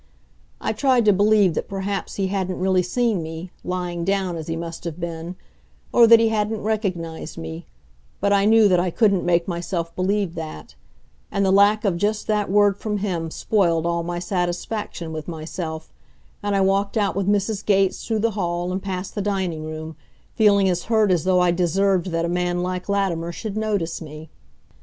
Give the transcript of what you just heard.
I tried to believe that perhaps he hadn't really seen me, lying down, as he must have been, or that he hadn't recognized me, but I knew that I couldn't make myself believe that; and the lack of just that word from him spoiled all my satisfaction with myself, and I walked out with Mrs. Gates through the hall and past the dining room feeling as hurt as though I'd deserved that a man like Latimer should notice me.